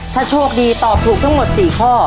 ถ้าโชคดีตอบถูกทั้งหมด๔ข้อ